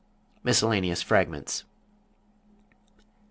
MISCELLANEOUS FRAGMENTS ...